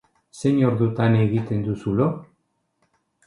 Zein ordutan egiten duzu lo?